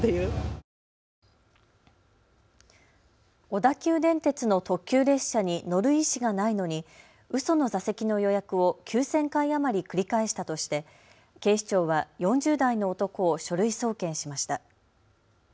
小田急電鉄の特急列車に乗る意思がないのにうその座席の予約を９０００回余り繰り返したとして警視庁は４０代の男を書類送検しました。